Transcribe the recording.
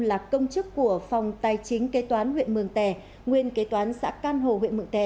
là công chức của phòng tài chính kế toán huyện mường tè nguyên kế toán xã can hồ huyện mường tè